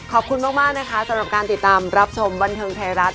ขอบคุณมากนะคะสำหรับการติดตามรับชมบันเทิงไทยรัฐ